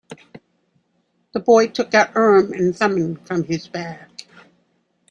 The boy took out Urim and Thummim from his bag.